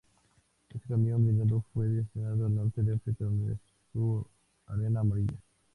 Este camión blindado fue destinado al Norte de África, donde su arena amarilla.